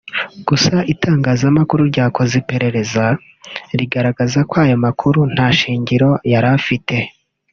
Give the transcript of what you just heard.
gusa itangazamakuru ryakoze iperereza rigaragaza ko ayo makuru nta shingiro yari afite